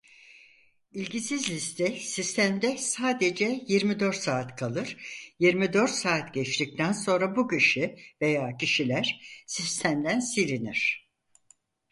İlgisiz liste sistemde sadece yirmi dört saat kalır yirmi dört saat geçtikten sonra bu kişi veya kişiler sistemden silinir.